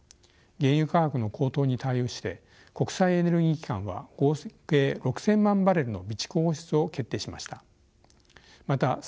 原油価格の高騰に対して国際エネルギー機関は合計６，０００万バレルの備蓄放出を決定しました。